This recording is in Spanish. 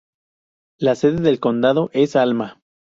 La sede del condado es Alma.